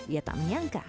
ia tak menyangka